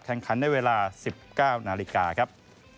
แข่งขันในเวลา๑๙นาฬิกาครับ